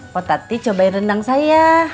potati cobain rendang saya